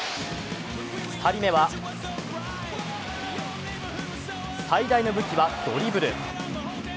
２人目は最大の武器はドリブル。